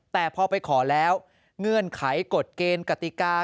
แต่พอไปขอแล้วเงื่อนไขกฎเกณฑ์กติกา